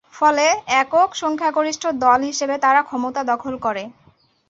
ফলে একক সংখ্যাগরিষ্ঠ দল হিসেবে তারা ক্ষমতা দখল করে।